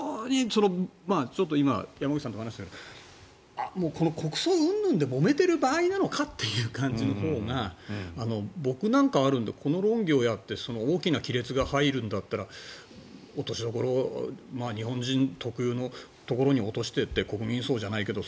今、山口さんと話していたんだけどもう国葬うんぬんでもめている場合なのかというほうが僕なんかはあるのでこの論議をやって大きな亀裂が入るんだったら落としどころを日本人特有のところに落としていって国民葬じゃないけど